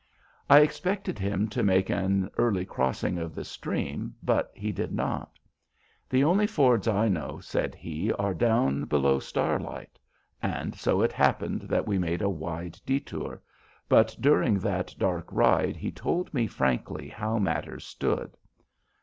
I expected him to make an early crossing of the stream, but he did not. "The only fords I know," said he, "are down below Starlight," and so it happened that we made a wide détour; but during that dark ride he told me frankly how matters stood.